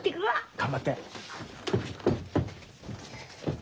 頑張って。